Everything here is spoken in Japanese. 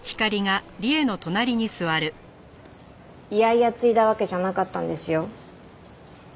嫌々継いだわけじゃなかったんですよ。